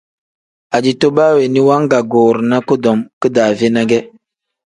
Ajito baa weeni wangaguurinaa kudom kidaave ne ge.